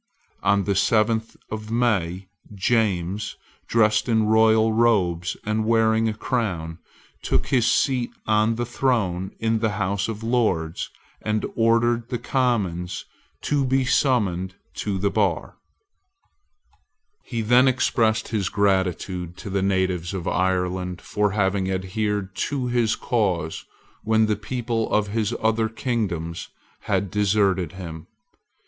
On the seventh of May, James, dressed in royal robes and wearing a crown, took his seat on the throne in the House of Lords, and ordered the Commons to be summoned to the bar, He then expressed his gratitude to the natives of Ireland for having adhered to his cause when the people of his other kingdoms had deserted him.